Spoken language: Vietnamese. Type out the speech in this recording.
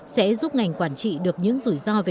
sẽ giúp ngành quản trị được những rủi ro về